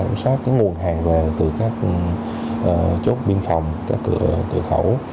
kiểm soát cái nguồn hàng về từ các chỗ biên phòng các cửa khẩu